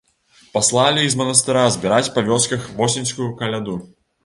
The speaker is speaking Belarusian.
Паслалі іх з манастыра збіраць па вёсках восеньскую каляду.